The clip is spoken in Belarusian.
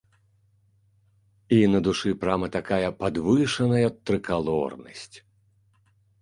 І на душы прама такая падвышаная трыкалорнасць.